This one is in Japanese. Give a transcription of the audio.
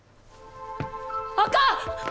あかん！